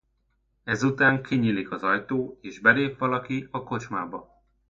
Ezután kinyílik az ajtó és belép valaki a kocsmába.